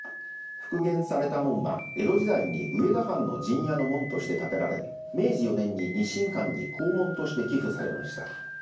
復元された門は江戸時代に上田藩の陣屋の門として建てられ明治４年に日進館に校門として寄付されました。